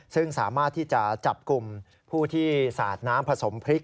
ซึ่งสามารถที่จะจับกลุ่มผู้ที่สาดน้ำผสมพริก